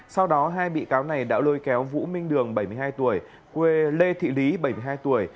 sau đó hai bị cáo này đã lôi kéo vũ minh đường bảy mươi hai tuổi quê lê thị lý bảy mươi hai tuổi